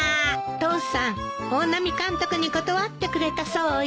父さん大波監督に断ってくれたそうよ。